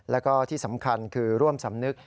แล้วก็ที่สำคัญคือร่วมสำนึก